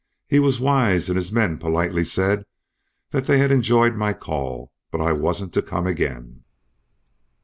He was wise, and his men politely said they had enjoyed my call, but I wasn't to come again."